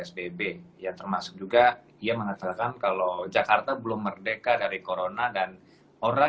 sbb ya termasuk juga ia mengatakan kalau jakarta belum merdeka dari corona dan orang